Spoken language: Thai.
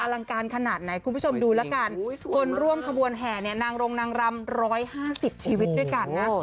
ลังการขนาดไหนคุณผู้ชมดูแล้วกันคนร่วมขบวนแห่เนี่ยนางรงนางรำ๑๕๐ชีวิตด้วยกันนะ